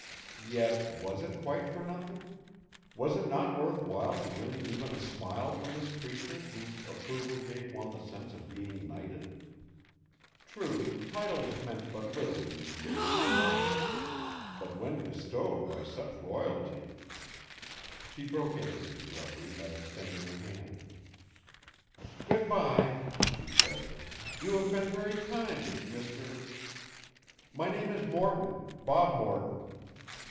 Yet was it quite for nothing? Was it not worth while to win even a smile from this creature whose approval gave one the sense of being knighted? True, titles meant but little in these days of democracy but when bestowed by such royalty She broke in on his reverie by extending her hand. "Good by," she said. "You have been very kind, Mr. " "My name is Morton Bob Morton."